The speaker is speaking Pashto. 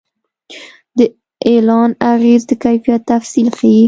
د اعلان اغېز د کیفیت تفصیل ښيي.